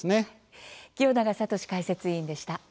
清永聡解説委員でした。